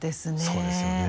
そうですよね。